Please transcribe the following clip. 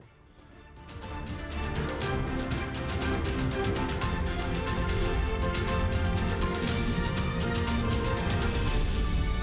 jangan lupa subscribe channel ini